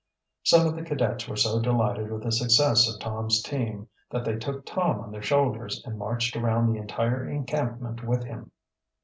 Some of the cadets were so delighted with the success of Tom's team that they took Tom on their shoulders and marched around the entire encampment with him.